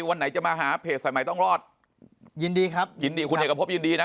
วันไหนจะมาหาเพจสายใหม่ต้องรอดยินดีครับยินดีคุณเอกพบยินดีนะ